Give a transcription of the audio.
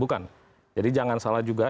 bukan jadi jangan salah juga